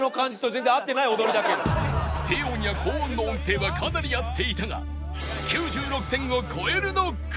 低音や高音の音程はかなり合っていたが９６点を超えるのか？